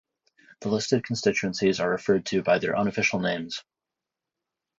The listed constituencies are referred to by their unofficial names.